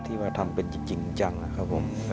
ว่าทำเป็นจริงจังนะครับผม